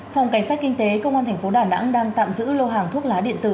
phòng cảnh sát kinh tế công an tp đà nẵng đang tạm giữ lô hàng thuốc lá điện tử